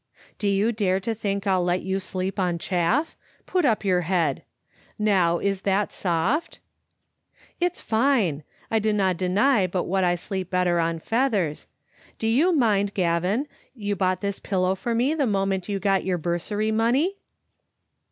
"Do you dare to think I'll let you sleep on chaff? Put up your head. Now, is that soft?" " It's fine. I dinna deny but what I sleep better on feathers. Do you mind, Gavin, you bought this pillow for me the moment you got your bursary money?"